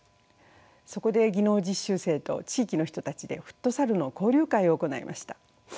そこで技能実習生と地域の人たちでフットサルの交流会を行いました。